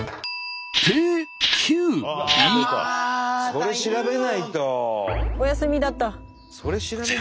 それ調べないと。